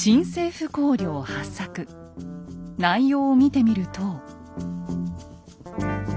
内容を見てみると。